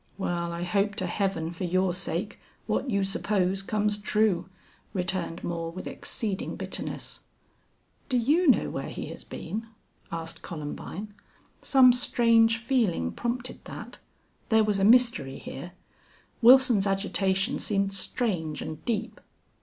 "Well, I hope to Heaven for your sake what you suppose comes true," returned Moore, with exceeding bitterness. "Do you know where he has been?" asked Columbine. Some strange feeling prompted that. There was a mystery here. Wilson's agitation seemed strange and deep.